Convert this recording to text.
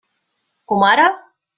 Com ara?